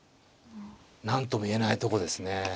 何とも言えないとこですね。